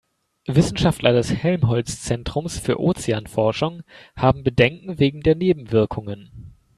Wissenschaftler des Helmholtz-Zentrums für Ozeanforschung haben Bedenken wegen der Nebenwirkungen.